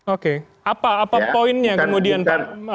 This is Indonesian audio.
oke apa poinnya kemudian pak